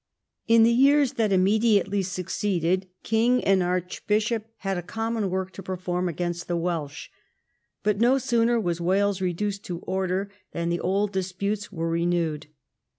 In the years that immediately succeeded king and archbishop had a common work to perform against the Welsh ; but no sooner was Wales reduced to order than the old disputes were renewed.